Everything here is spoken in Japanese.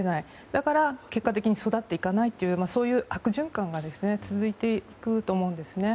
だから、結果的に育っていかないというそういう悪循環が続いていくと思うんですね。